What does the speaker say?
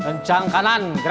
ada urusan katanya